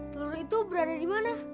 telur itu berada dimana